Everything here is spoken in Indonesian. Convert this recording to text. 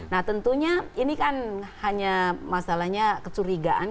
nah tentunya ini kan hanya masalahnya kecurigaan